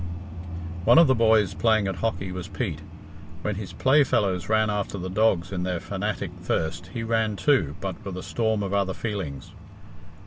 One of the boys playing at hockey was Pete. When his play fellows ran after the dogs in their fanatic thirst, he ran too, but with a storm of other feelings.